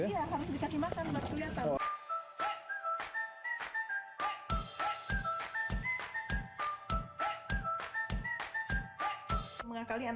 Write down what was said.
iya harus dikasih makan baru kelihatan